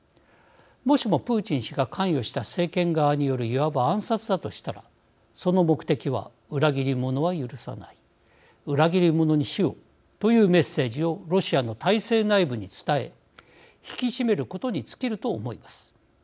もしも、プーチン氏が関与した政権側によるいわば暗殺だとしたらその目的は、裏切り者は許さない裏切り者に死をというメッセージをロシアの体制内部に伝え引き締めることに尽きると思います。